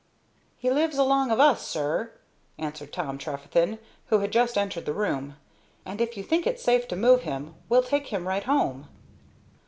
"He lives along of us, sir," answered Tom Trefethen, who had just entered the room; "and if you think it's safe to move him, we'll take him right home."